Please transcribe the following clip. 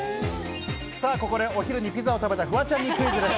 ここでお昼にピザを食べたフワちゃんにクイズです。